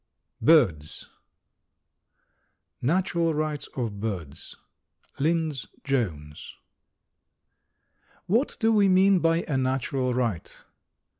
BIRDS NATURAL RIGHTS OF BIRDS. LYNDS JONES. What do we mean by a "natural right?"